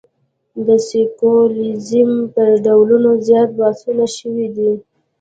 د سیکولریزم پر ډولونو زیات بحثونه شوي دي.